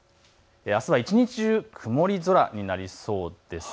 あすは一日中、曇り空になりそうです。